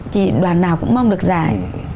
thì đoàn nào cũng mong được giải